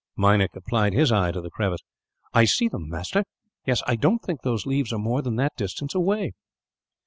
Meinik applied his eye to the crevice. "I see them, master. Yes, I don't think those leaves are more than that distance away."